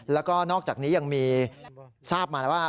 แล้วก็นอกจากนี้ยังมีทราบมาแล้วว่า